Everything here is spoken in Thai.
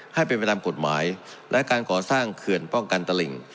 ให้เป็นไปตามกฎหมายและการก่อสร้างเขื่อนป้องกันตลิ่ง